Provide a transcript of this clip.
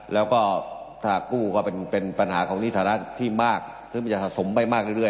แล้วก็ถ้ากู้ก็เป็นปัญหาของนิฐานะที่มากหรือมันจะสะสมไปมากเรื่อย